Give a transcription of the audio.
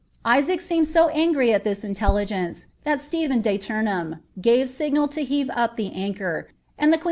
Isaac seemrd «> aiigrr al this intelligence, that Stephen de Turiiliam gare signal tn hetre vf Uie anchor, and the queen'.